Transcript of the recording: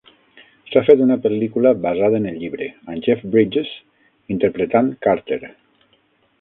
S'ha fet una pel·lícula basada en el llibre, amb Jeff Bridges interpretant Carter.